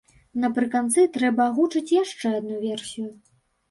Напрыканцы трэба агучыць яшчэ адну версію.